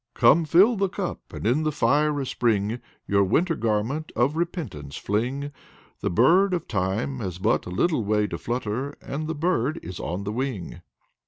"Come fill the Cup and in the fire of Spring Your Winter Garment of Repentance fling. The bird of time has but a little way to flutter And the bird is on the wing."